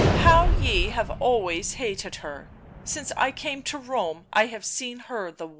" How ye have always hated her !... since I came to Rome I have seen her the once."